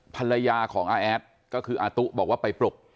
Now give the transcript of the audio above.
ภรรยาของอาแอดก็คืออาตุ๊บอกว่าไปปลุก